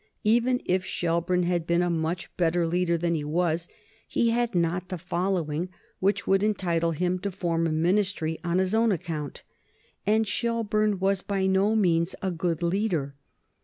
Even if Shelburne had been a much better leader than he was he had not the following which would entitle him to form a Ministry on his own account. And Shelburne was by no means a good leader.